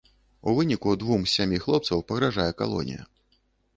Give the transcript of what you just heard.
У выніку двум з сямі хлопцаў пагражае калонія.